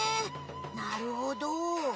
なるほど。